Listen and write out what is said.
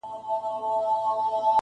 o لوېدلی ستوری له مداره وځم,